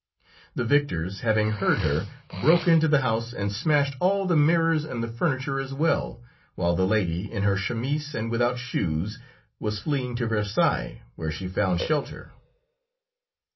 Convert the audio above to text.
The victors, having heard her, broke into the house, and smashed all the mirrors and the furniture as well, while the lady, in her chemise and without shoes, was fleeing to Versailles, where she found shelter.